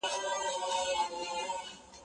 څه شی زموږ په رواني حالت کي مثبت بدلون راولي؟